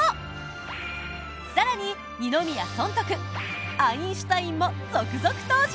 更に二宮尊徳アインシュタインも続々登場！